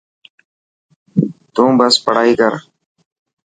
تون بس پڙهائي ڪر.